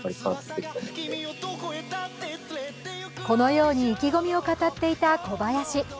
このように意気込みを語っていた小林。